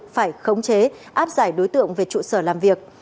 phải khống chế áp giải đối tượng về trụ sở làm việc